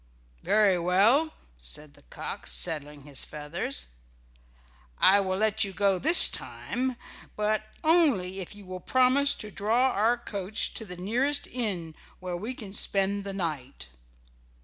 "Very well," said the cock, settling his feathers. "I will let you go this time, but only if you will promise to draw our coach to the nearest inn, where we can spend the night."